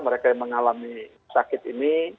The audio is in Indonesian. mereka yang mengalami sakit ini